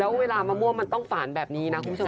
แล้วเวลามะม่วงมันต้องฝานแบบนี้นะคุณผู้ชม